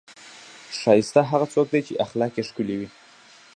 ښایسته هغه څوک دی، چې اخلاق یې ښکلي وي.